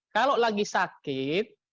kalau lagi sakit